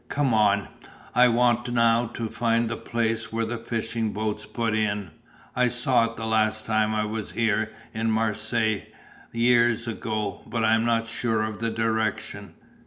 Come on. I want now to find the place where the fishing boats put in. I saw it the last time I was here in Marseilles, years ago, but I am not sure of the direction."